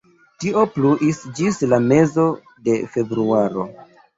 Tio pluis ĝis la mezo de februaro.